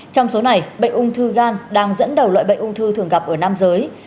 trong số này bệnh ung thư gan đang dẫn đầu loại bệnh ung thư thường gặp ở nam giới